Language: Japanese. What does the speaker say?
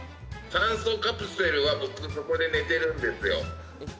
酸素カプセルは、僕そこで寝てるんですよ。